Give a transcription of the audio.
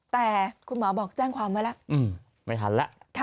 แต่คุณหมอบอกแจ้งความเข้ามาละอืมไม่ทันละค่ะ